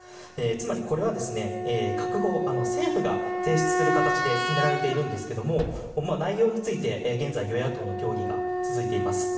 つまりこれは閣法政府が提出する形で進められているんですけれども内容について現在、与野党の協議が続いています。